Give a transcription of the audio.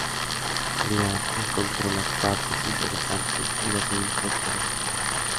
Brian encontró las partes interesantes y las editó todas juntas.